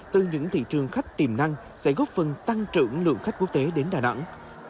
từ những thị trường khách tiềm năng sẽ góp phần tăng trưởng lượng khách quốc tế đến đà nẵng